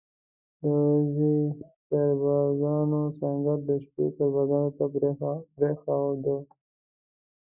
د ورځې سربازانو سنګر د شپې سربازانو ته پرېښوده.